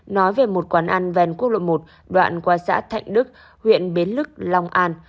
nói về một quán ăn ven quốc lộ một đoạn qua xã thạnh đức huyện bến lức long an